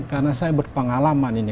karena saya berpengalaman ini